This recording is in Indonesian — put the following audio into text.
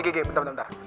kiki bentar bentar bentar